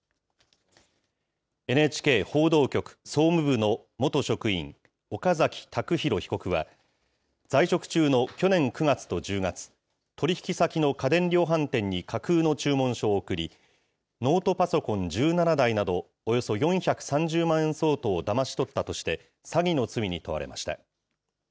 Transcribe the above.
ＮＨＫ報道局総務部の元職員、岡崎卓太被告は在職中の去年９月と１０月、取り引き先の家電量販店に架空の注文書を送り、ノートパソコン１７台など、およそ４３０万円相当をだまし取ったとして、詐欺の罪に問われました。